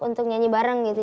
untuk nyanyi bareng gitu